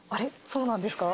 そうなんですか？